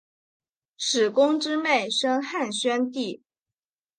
史恭之妹生汉宣帝。